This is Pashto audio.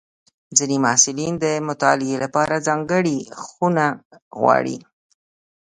ځینې محصلین د مطالعې لپاره ځانګړې خونه غواړي.